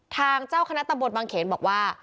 ทางเจ้าคณะตำบลบางเขนบอกว่า